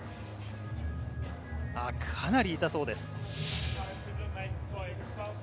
かなり痛そうです。